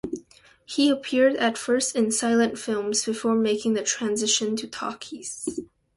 He appeared at first in silent films before making the transition to talkies.